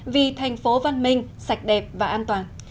vì thành phố văn minh sạch đẹp và an toàn